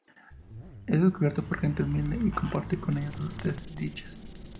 Es descubierto por gente humilde y comparte con ellas sus desdichas.